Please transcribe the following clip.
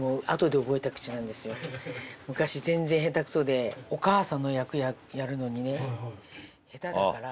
昔全然下手くそでお母さんの役やるのにね下手だから。